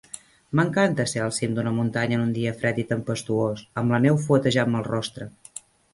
M'encanta ser al cim d'una muntanya en un dia fred i tempestuós amb la neu fuetejant-me el rostre.